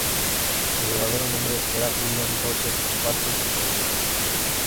Su verdadero nombre era William Joseph Patrick O'Brien.